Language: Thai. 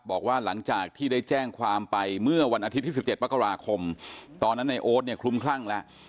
บอกว่าหลังจากที่ได้แจ้งความไปเมื่อวันอาทิตย์ที่๑๗มกราคมตอนนั้นในโอ๊ตเนี่ยคลุมคลั่งแล้ว